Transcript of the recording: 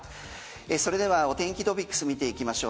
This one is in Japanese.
それではお天気トピックス見ていきましょう。